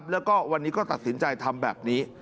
แล้วก็วันนี้ก็ตัดสินใจทำแบบนี้